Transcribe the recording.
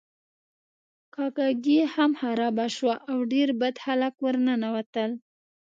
کاکه ګي هم خرابه شوه او ډیر بد خلک ورننوتل.